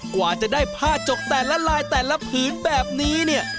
กว่าจะได้ผ้าจกแต่ละลายแต่ละผืนแบบนี้เนี่ย